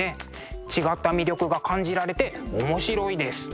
違った魅力が感じられて面白いです。